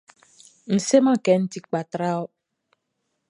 N seman kɛ n ti kpa tra wɔ.